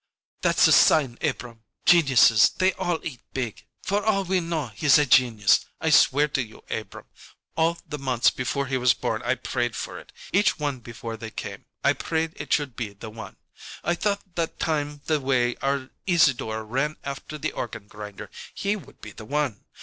"That's a sign, Abrahm; geniuses, they all eat big. For all we know, he's a genius. I swear to you, Abrahm, all the months before he was born I prayed for it. Each one before they came, I prayed it should be the one. I thought that time the way our Isadore ran after the organ grinder he would be the one.